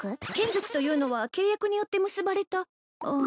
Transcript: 眷属とは契約によって結ばれたああ